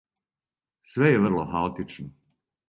Све је врло хаотично.